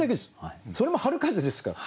それも春風ですから。